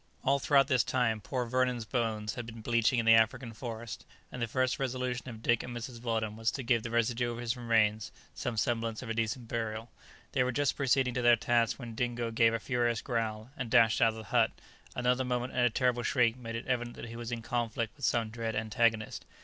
All throughout this time poor Vernon's bones had been bleaching in the African forest, and the first resolution of Dick and Mrs. Weldon was to give the residue of his remains some semblance of a decent burial. They were just proceeding to their task when Dingo gave a furious growl, and dashed out of the hut; another moment, and a terrible shriek made it evident that he was in conflict with some dread antagonist.